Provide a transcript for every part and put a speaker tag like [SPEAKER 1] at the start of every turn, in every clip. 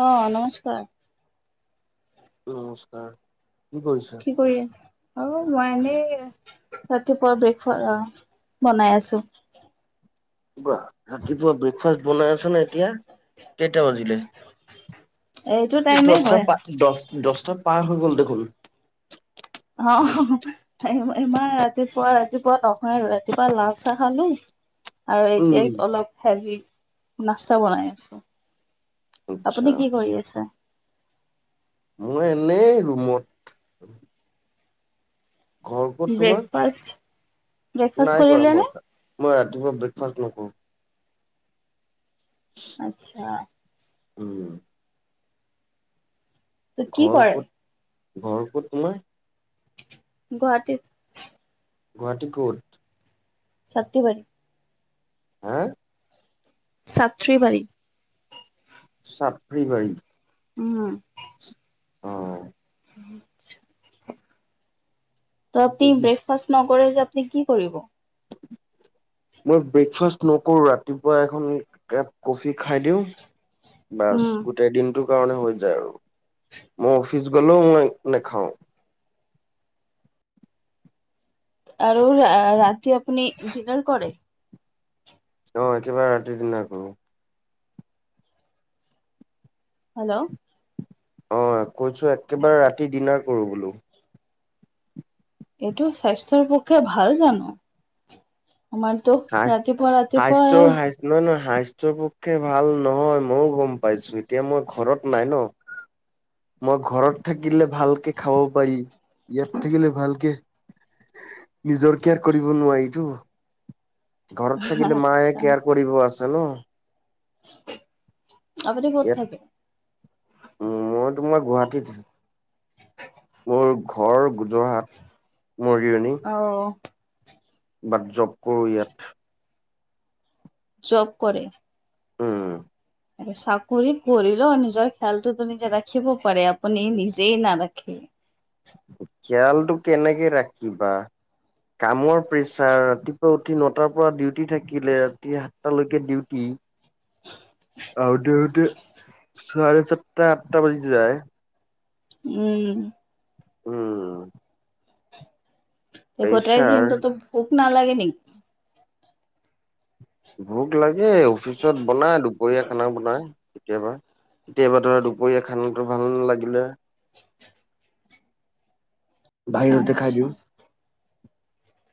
[SPEAKER 1] অ নমস্কাৰ।
[SPEAKER 2] নমস্কাৰ। কি কৰিছা?
[SPEAKER 1] কি কৰি আছ? মই এনেই ৰাতিপুৱা ব্ৰেক বনাই আছো।
[SPEAKER 2] ৰাতিপুৱা ব্ৰেকফাষ্ট বনাই আছ ন এতিয়া কেইটা বাজিলে?
[SPEAKER 1] এইটো টাইমে
[SPEAKER 2] দ
[SPEAKER 1] হয়
[SPEAKER 2] দচটা পাৰ হৈ গল দেখোন।
[SPEAKER 1] অ, ইমাৰ ৰাতিপুৱা - ৰাতিপুৱা নহাই আৰু ৰাতিপুৱা লাল চাহ খালো। আৰু
[SPEAKER 2] উম
[SPEAKER 1] এতিয়াই অলপ হেৰি নাস্তা বনাই আছো।
[SPEAKER 2] আচ্ছা।
[SPEAKER 1] আপুনি কি কৰি আছে?
[SPEAKER 2] মই এনেই ৰুমত। ঘৰ ক'ত তোমাৰ
[SPEAKER 1] ব্ৰেকফাষ্ট? ব্ৰেকফাষ্ট
[SPEAKER 2] নাই কৰা
[SPEAKER 1] কৰিলে নে
[SPEAKER 2] মই- মই ৰাতিপুৱা ব্ৰেকফাষ্ট নকৰো।
[SPEAKER 1] আচ্ছা।
[SPEAKER 2] উম,
[SPEAKER 1] ত কি
[SPEAKER 2] ঘৰ
[SPEAKER 1] কৰে?
[SPEAKER 2] ক'ত ঘৰ ক'ত তোমাৰ?
[SPEAKER 1] গুৱাহাটীত।
[SPEAKER 2] গুৱাহাটী ক'ত?
[SPEAKER 1] শক্তিবাৰী।
[SPEAKER 2] হা?
[SPEAKER 1] ছাত্ৰীৰীত।
[SPEAKER 2] চাত্ৰবাৰী
[SPEAKER 1] উম,
[SPEAKER 2] অ',
[SPEAKER 1] ত আপুনি ব্ৰেকফাষ্ট ন কৰে যে আপুনি কি কৰিব?
[SPEAKER 2] [inaudible] মই ব্ৰেকফাষ্ট নকৰোঁ ৰাতিপুৱা এখন এককাপ কফি খাই দিওঁ। বাচ
[SPEAKER 1] উম
[SPEAKER 2] গোটেই দিনটো দিনটোৰ কাৰণে হৈ যায় আৰু মই অফিচ গ'লেও মই নেখাওঁ।
[SPEAKER 1] আৰু ৰাতি আপুনি ডিনাৰ কৰে।
[SPEAKER 2] অ' একেবাৰে ৰাতিৰ ডিনাৰ কৰোঁ।
[SPEAKER 1] হেল্ল'
[SPEAKER 2] অ' কৈছোঁ একেবাৰে ৰাতি ডিনাৰ কৰোঁ বোলো।
[SPEAKER 1] এইটো স্বাস্থ্যৰ পক্ষে ভাল জানোঁ? আমাৰটো
[SPEAKER 2] সাজ স্বাস্থ্যৰ
[SPEAKER 1] ৰাতিপুৱা-ৰাতিপুৱাই
[SPEAKER 2] সাজ নহয় নহয় স্বাস্থ্যৰ পক্ষে ভাল নহয় ময়ো গম পাইছোঁ এতিয়া মই ঘৰত নাই ন'। মই ঘৰত থাকিলে ভালকে খাব পাৰি ইয়াত থাকিলে ভালকে নিজৰ কেয়াৰ কৰিব নোৱাৰিটো। ঘৰত থাকিলে মায়ে কেয়াৰ কৰিব আছে ন।
[SPEAKER 1] উ।
[SPEAKER 2] ইয়াত উ মই তোমাৰ গুৱাহাটীত। মোৰ ঘৰ যোৰহাট মৰিয়নি।
[SPEAKER 1] অ'
[SPEAKER 2] বাট জব কৰোঁ ইয়াত।
[SPEAKER 1] জব কৰে?
[SPEAKER 2] উম।
[SPEAKER 1] আৰু চাকৰি কৰিলেও নিজৰ খেয়ালটোতো নিজে ৰাখিব পাৰে আপুনি নিজেই নাৰাখে।
[SPEAKER 2] খিয়ালটো কেনেকে ৰাখিবা কামৰ প্ৰেচাৰ ৰাতিপুৱা উঠি নটাৰ পৰা ডিউটি থাকিলে ৰাতি সাতটালৈকে ডিউটি। আহোঁতে-আহোঁতে চাৰে সাতটা আঠটা বাজি যায়।
[SPEAKER 1] উম
[SPEAKER 2] উম।
[SPEAKER 1] গোটেই
[SPEAKER 2] প্ৰেছাৰ
[SPEAKER 1] দিনটোতো ভোক নালাগে নেকি?
[SPEAKER 2] ভোক লাগে অফিচত বনাই দুপৰীয়া খানা বনাই কেতিয়াবা। কেতিয়াবা ধৰ দুপৰীয়া খানাটো ভাল নালাগিলে [inaudible] খাই
[SPEAKER 1] আচ্ছা।
[SPEAKER 2] দিওঁ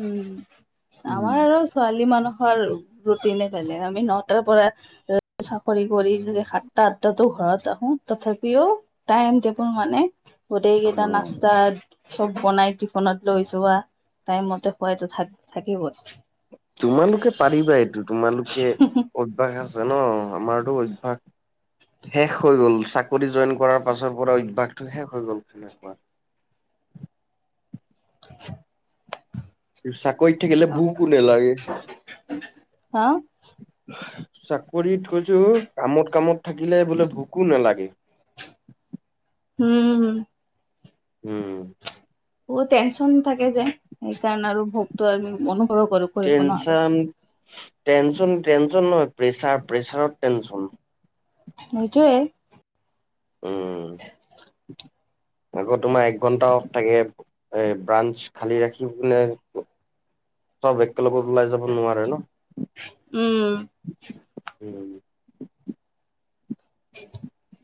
[SPEAKER 1] উম
[SPEAKER 2] উম
[SPEAKER 1] আমাৰ আৰু ছোৱালী মানুহৰ ৰুটিনে বেলেগ। আমি নটাৰ পৰা চাকৰি কৰি যদি সাতটা আঠটাতো ঘৰত আহো তথাপিও টাইম টেবুল মানে গোটেই কেইটা
[SPEAKER 2] অ',
[SPEAKER 1] নাস্তা চব বনাই টিফোনত লৈ যোৱা টাইম মতে খোৱাই তথাপিও থাকিবই
[SPEAKER 2] তোমালোকে পাৰিবা এইটো তোমালোকে অভ্যাস আছ ছে ন আমাৰতো অভ্যাস শেষ হৈ গ'ল চাকৰি জইন কৰাৰ পাছৰ পৰা অভ্যাসটো শেষ হৈ গ'ল তেনেকুৱা
[SPEAKER 1] [inaudible]
[SPEAKER 2] চাকৰিত থাকিলে ভোকো নালাগে
[SPEAKER 1] হা
[SPEAKER 2] চাক চাকৰিত কৈছো কামত কামত থাকিলে বোলে ভোকো নালাগে
[SPEAKER 1] উম
[SPEAKER 2] উম
[SPEAKER 1] বহু টেনশ্যন থাকে যায় সেইকাৰণে আৰু ভোকটো আমি অনুভৱে কৰো কৰিব নোৱাৰ
[SPEAKER 2] টেনশ্যন টেনচন নহয় প্ৰেছাৰ প্ৰেছাৰত টেনচন
[SPEAKER 1] সেইটোৱে
[SPEAKER 2] উম আকৌ তোমাৰ এক ঘণ্টা অফ থাকে ব্ৰাঞ্চ খালী ৰাখিবনে চব একেলগত ওলাই যাব নোৱাৰে ন
[SPEAKER 1] উম
[SPEAKER 2] উম [inaudible]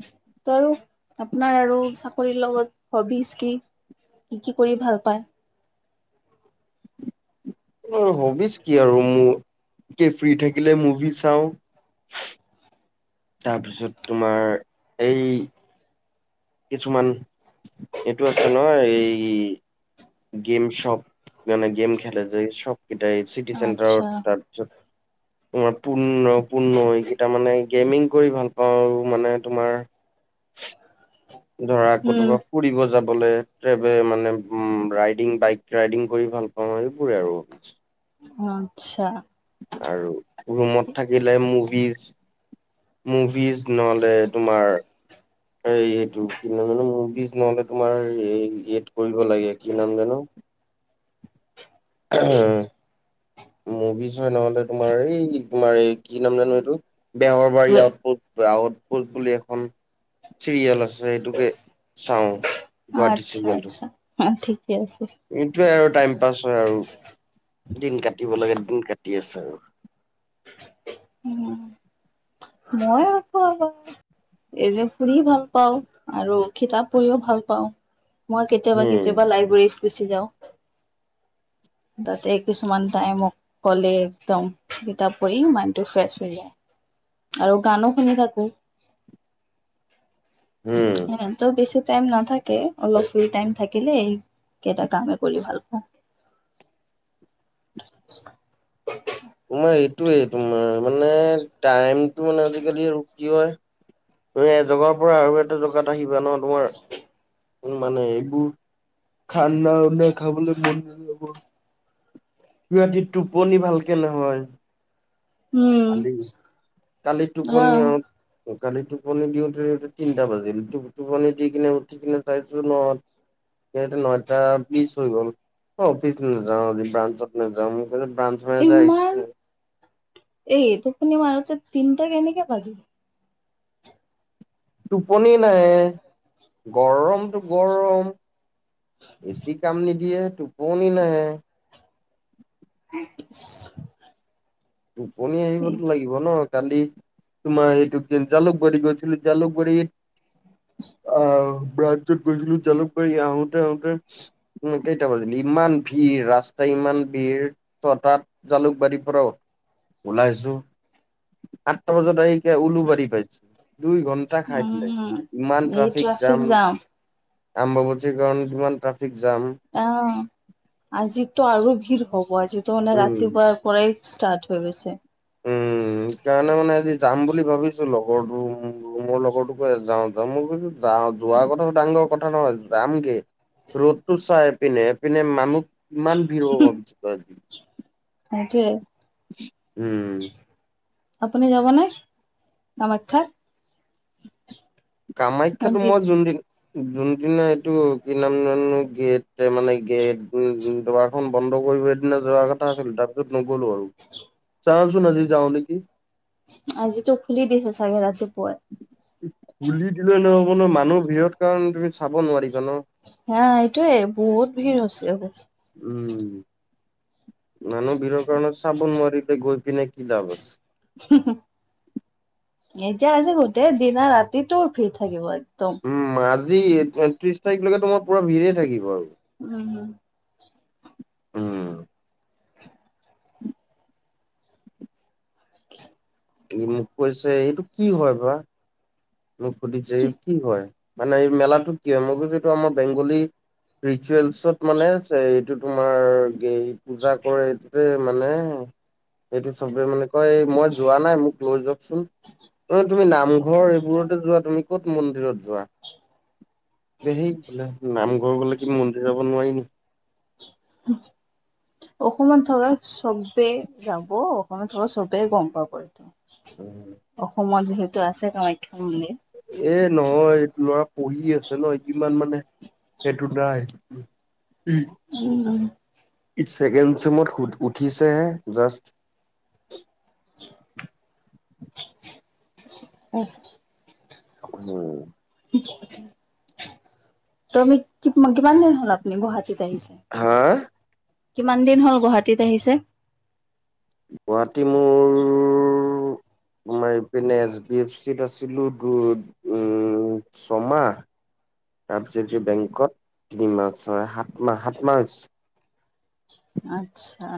[SPEAKER 1] তাৰো আপোনাৰ আৰু চাকৰিৰ লগত হবিচ কি কি কি কৰি ভাল পায়
[SPEAKER 2] হবিচ কি আৰু মোৰ ফ্ৰী থাকিলে মুভি চাওঁ তাৰপিছত তোমাৰ এই কিছুমান এইটো আছে নহ এই গেম সব মানে গেম খেলে যে সব। এট চি টি চেটাৰ
[SPEAKER 1] আচ্ছা
[SPEAKER 2] তাৰপিছত তোমাৰ পুণ পুৰ্ণ এইকেইটা মানে গেমিং কৰি ভাল পাওঁ আৰু মানে তোমাৰ ধৰা
[SPEAKER 1] উম,
[SPEAKER 2] কতোবা ফুৰিব যাব অকলে ট্ৰেভেল মানে উম ৰাইডিং বাইক ৰাইডিং কৰি ভাল পাওঁ সেইবোৰে আৰু।
[SPEAKER 1] আচ্ছা।
[SPEAKER 2] আৰু ৰুমত থাকিলে মুভিজ মুভিজ ন'হলে তোমাৰ এই-এইটো কি মানে মুভিজ নহ'লে তোমাৰ এই কৰিব লাগে কি নাম জানো? মুভিজ হয় নহলে তোমাৰ এই তোমাৰ এই কি নাম জানো এইটো? বেহৰবাৰী আউটপোষ্ট আউটপোষ্ট বুলি এখন চিৰিয়েল আছে। সেইটোকে চাওঁ গুৱাহাটী
[SPEAKER 1] আচ্ছা
[SPEAKER 2] চিৰিয়েলটো।
[SPEAKER 1] আচ্ছা ঠিকে আছে।
[SPEAKER 2] এটোৱে আৰু টাইম পাছ হয় আৰু দিন কাটিব লাগে দিন আছে আৰু
[SPEAKER 1] উম এইৰে শুনি ভাল পাওঁ আৰু কিতাপ পঢ়িও ভাল পাওঁ মই কেতিয়াবা
[SPEAKER 2] উম
[SPEAKER 1] কেতিয়াবা লাইব্ৰেৰীত গুচি যাওঁ
[SPEAKER 2] [unintelligible]
[SPEAKER 1] তাতে কিছুমান টাই মোক ক'লে একদম কিতাপ পঢ়ি মাইনডটো ফ্ৰেচ হৈ যায়
[SPEAKER 2] [unintelligible]
[SPEAKER 1] আৰু গানো শুনি থাকো
[SPEAKER 2] উম
[SPEAKER 1] ছনেতো বেছি টাইম নাথাকে অলপ ফ্ৰী টাইম থাকিলে এই কেইটা কামে কৰি ভাল পাওঁ
[SPEAKER 2] [unintelligible]
[SPEAKER 1] [unintelligible]
[SPEAKER 2] তোমাৰ এইটোৱেই তোমাৰ মানে টাইমটো মানে আজিকালি আৰু কি হয় তুম এজগাৰ পৰা আৰু এটা জগাত আহিবা ন তোমাৰ মানে এইবোৰ খাননা উনা খাবলৈ মন ন যাব ৰাতি টোপনি ভালকে নহয়
[SPEAKER 1] উম,
[SPEAKER 2] কালি কালিটোপন
[SPEAKER 1] অ',
[SPEAKER 2] কালি টোপনি দিওঁতে তিনিটা বাজিলটো টোপনি দি কিনে উঠ কিনে চাইছো ন নয়টা বিশ হৈ গ'ল অ অফিচ নাযাওঁ আজি ব্ৰাঞ্চত নাযাওঁ কৈছে ব্ৰাঞ্চ মেনেজাৰ আহিছে।
[SPEAKER 1] ইমান এই টোপনি মাৰোতে তিনিটা কেনেকে পাবি
[SPEAKER 2] টোপনি নাই গৰমটো গৰম বেছি কাম নিদিয়ে টোপনি নাহে
[SPEAKER 1] উ
[SPEAKER 2] টোপনি আহিবতো লাগিব ন। কালি তোমাৰ এইটো যে জালুকবাৰী গৈছিলো জালুকবাৰী আহ ৰাজত গৈছিলো জালুকবাৰী আহোতে আহোতে কেইটা বাজিলি ইমান ভি ভিৰ ৰাস্তা ইমান ভিৰ ছটাত জালুকবাৰীৰ পৰা ওলাইছো আঠটা বজাত আহি উওলো বাৰি পাইছে দুই ঘন্টা খাই দিলে
[SPEAKER 1] উম
[SPEAKER 2] ইমান ট্ৰাফিক জাম। আম্বাবছীৰ কাৰণ কিমান ট্ৰাফিক জাম।
[SPEAKER 1] আজিটো আৰু ভিৰ হব আজিটো মানে
[SPEAKER 2] উম।
[SPEAKER 1] ৰাতিপুৱাৰ পৰাই ষ্টাৰ্ট হৈ গৈছে।
[SPEAKER 2] উম। সেই কাৰণে মানে আজি যাম বুলি ভাবিছো লগৰটো মোৰ লগৰটোকো যাওঁ যাম বুলি যাওঁ যোৱা কথাটো ডাঙৰ কথা নহয় যাম গে ৰ'দতটো চাইপিনে এপিনে মানুহ কিমান ভিৰ হ'ব ভাবিছো আজি।
[SPEAKER 1] তাকে
[SPEAKER 2] উম।
[SPEAKER 1] আপুনি যাব নে কামাখ্যা?
[SPEAKER 2] কামাখ্যাটো
[SPEAKER 1] মন্দিৰ
[SPEAKER 2] মই যোন দিন যোনদিনা এইটো কি নাম জানো গেট মানে গেট উ দবাৰখন বন্ধ কৰিব দিনা যোৱা কথা আছিল তাৰ পাছত নগ'লো আৰু চাওচোন আজি যাওঁ নেকি।
[SPEAKER 1] আজি ত খুলি দিছে চাগে ৰাতিপুৱাই।
[SPEAKER 2] খুলি দিলে নহ'ব নহয় মানুহ ভিৰ কাৰণে তুমি চাব নোৱাৰি।
[SPEAKER 1] হা এইটো বহুত ভিৰ হ হৈছে আকৌ।
[SPEAKER 2] উম মানুহ ভিৰৰ কাৰণে চাব নোৱাৰি গৈ পিনে কি লাভ আছ
[SPEAKER 1] এতিয়া আছে গোটেই দিনা ৰাতিটো ভিৰ থাকিব আজ
[SPEAKER 2] উম আজি ত্ৰিশ তাৰিখলৈকে তোমাৰ পোৰা ভিৰে থাকিব আৰু।
[SPEAKER 1] উম হম
[SPEAKER 2] উম। ই মোক কৈছে এইটো কি হয় বা। মোক সুধিছে ই কি হয়। মানে এই মেলাটো কি হয়? মই কৈছোঁ সেইটো আমাৰ বেংগলী ৰিচুৱেলছত মানে এইটো তোমাৰ গ পূজা কৰে এইটোৱে মানে সেইটো চবে মানে কয় এই মই যোৱা নাই মোক লৈ যাওকচোন, ঐ তুমি নামঘৰ এই বোৰতে যোৱা তুমি ক'ত মন্দিৰত যোৱা? সেই ব নামঘৰ গ'লে কি মন্দিৰ যাব নোৱাৰি নেকি?
[SPEAKER 1] [inaudible] অসমত থকা সবে যাব অসমত থকা সবেই গম পাব এইটো। অসমত যিহেতু আছে কামাখ্যা মন্দিৰম
[SPEAKER 2] এ নহয় এইটো ল'ৰা পঢ়ি আছে ন ইমান মানে সেইটো নাই এই
[SPEAKER 1] উম উম।
[SPEAKER 2] ই ছেকেণ্ড চেমত উঠিছেহে জাষ্ট।
[SPEAKER 1] [unintelligible]
[SPEAKER 2] উম।
[SPEAKER 1] তমি কি কিমান দিন হ'ল আপনি গুৱাহাটী টীত আহিছে?
[SPEAKER 2] হা
[SPEAKER 1] কিমান দিন হ'ল গুৱাহাটীত আহিছে?
[SPEAKER 2] গুৱাহাটী মোৰ তোমাৰ এইপিনে এছ বি এফ চিত আছিলো দুধ উম চমাহ তাৰপিছত কি বেংকত তিনিমাহ চ সাতমাহ সাত মাহ হৈছে।
[SPEAKER 1] আচ্ছা।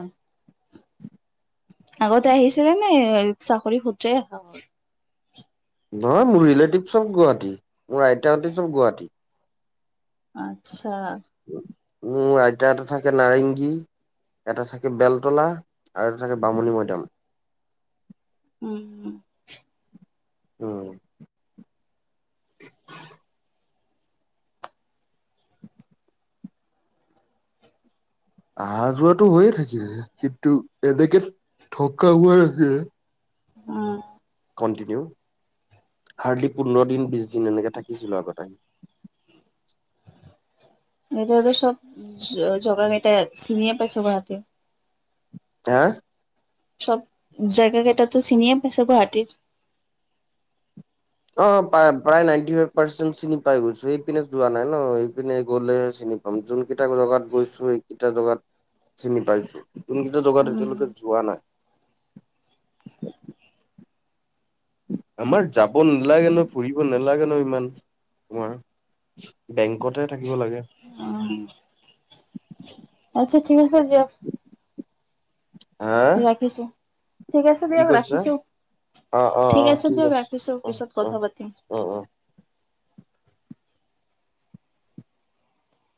[SPEAKER 1] আগতে আহিছিলে নে চাকৰি সুত্ৰো হল।
[SPEAKER 2] নহয় মোৰ ৰিলেটিভ চব গুৱাহাটী মোৰ আইতাহতে সব গুৱাহাটী।
[SPEAKER 1] আচ্ছা।
[SPEAKER 2] উম, আইতা এটা থাকে নাৰেংগী। এটা থাকে বেলতলা আৰু এটা থাকে বামুণী ময়দাম।
[SPEAKER 1] উম- উম।
[SPEAKER 2] উম, অহা যোৱাটো হৈয়ে থাকিল কিন্তু এনেকে থকা হোৱাক
[SPEAKER 1] উম,
[SPEAKER 2] ট হাৰ্ডলি পোন্ধৰ দিন বিশ দিন এনেকে থাকিছিলো আগতে আহি [inaudible]
[SPEAKER 1] এটত চব জগা মটা চিনিয়ে পাইছ গ হাতে [unintelligible]
[SPEAKER 2] হা?
[SPEAKER 1] চব জেগা কেইটাতো চিনিয়ে পাইছে গুৱাহাটীৰ?
[SPEAKER 2] অ, প্ৰায় নটি ফাই পাৰ্চেট চিনি পাই গৈছো এইপিনে যোৱা নাই ন সিনে গ চিনি চিনি পাম যোন কেইটা জগাত গৈছো সেইকেইটা জগাত চিনি পাইছো। নতুনকেইটা দোকানত
[SPEAKER 1] উম,
[SPEAKER 2] এতিয়ালৈকে যোৱা নাই? আমাৰ যাব নালাগে ন ফুৰিব নালাগে ন ইমান তোমাৰ। বেংকতে থাকিব লাগে।
[SPEAKER 1] উম, আচ্ছা ঠিক আছে দিয়ক।
[SPEAKER 2] হা
[SPEAKER 1] ৰাখিছো, ঠিক আছে
[SPEAKER 2] কি
[SPEAKER 1] দিয়ক
[SPEAKER 2] কৈছে?
[SPEAKER 1] ৰাখিছো।
[SPEAKER 2] অ', অ',
[SPEAKER 1] ঠিক
[SPEAKER 2] অ',
[SPEAKER 1] আছে দিয়ক ৰাখিছো
[SPEAKER 2] অ',
[SPEAKER 1] পিছত
[SPEAKER 2] অ',
[SPEAKER 1] কথা পাতিম।
[SPEAKER 2] অ', অ'।